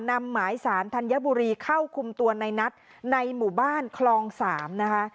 นำหมายสารธัญบุรีเข้าคุมตัวในนัทในหมู่บ้านคลอง๓นะคะ